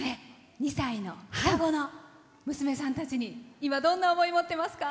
２歳の双子の娘さんたちに今、どんな思いを持ってますか？